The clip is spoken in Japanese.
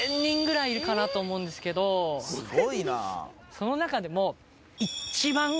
その中でも。